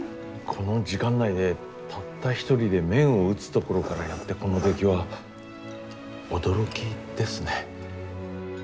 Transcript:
この時間内でたった一人で麺を打つところからやってこの出来は驚きですね。